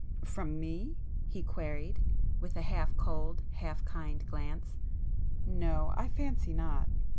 "From me?" he queried, with a half cold half kind glance; "No,—I fancy not!"